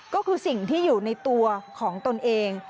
ก็คือสิ่งที่อยู่ในตัวของตนเอง